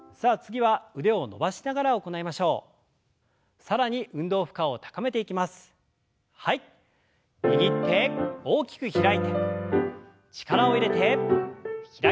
はい。